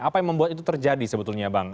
apa yang membuat itu terjadi sebetulnya bang